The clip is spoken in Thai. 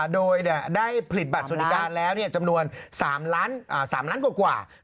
โดยได้ผลิตบัตรสวัสดิการแล้วจำนวน๓ล้านกว่า